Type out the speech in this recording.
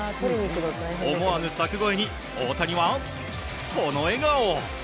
思わぬ柵越えに大谷は、この笑顔。